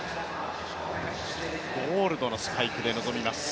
ゴールドのスパイクで臨みます。